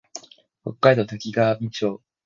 北海道滝上町